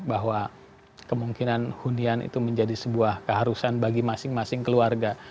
bahwa kemungkinan hunian itu menjadi sebuah keharusan bagi masing masing keluarga